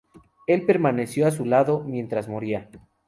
Él permaneció a su lado mientras moría.